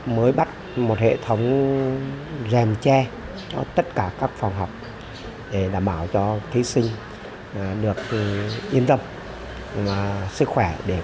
mới bắt một hệ thống rèm tre cho tất cả các phòng học để đảm bảo cho thí sinh được yên tâm sức khỏe